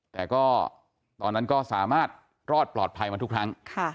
แต่ก็ตอนนั้นก็สามารถรอดปลอดภัยมาทุกครั้ง